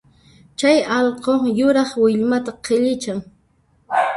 Chay allqu yuraq willmata qhillichan